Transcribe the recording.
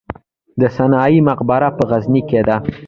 د سنايي مقبره په غزني کې ده